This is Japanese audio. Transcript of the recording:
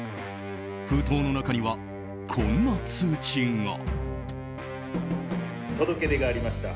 封筒の中には、こんな通知が。